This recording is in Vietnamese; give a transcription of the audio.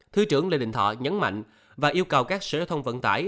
thứ trưởng lê đình thọ nhấn mạnh và yêu cầu các sở giao thông vận tải